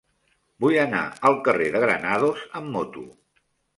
Vull anar al carrer de Granados amb moto.